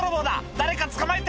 誰か捕まえて！」